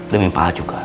demi pak al juga